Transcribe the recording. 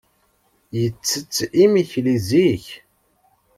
Yettett imekli zik.